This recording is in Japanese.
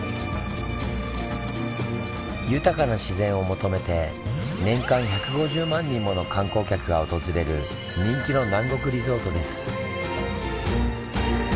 豊かな自然を求めて年間１５０万人もの観光客が訪れる人気の南国リゾートです。